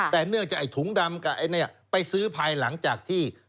แต่เนื่องจากไอ้ถุงดำกับไอ้เนี่ยไปซื้อภายหลังจากที่